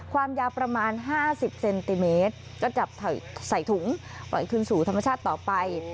ความยาวประมาณ๕๐เซนติเมตรก็จับใส่ถุงปล่อยคืนสู่ธรรมชาติต่อไป